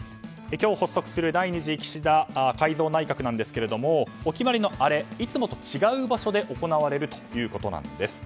今日、発足する第２次岸田改造内閣なんですけれどもお決まりのあれいつもと違う場所で行われるということなんです。